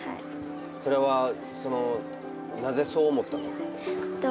それはそのなぜそう思ったの？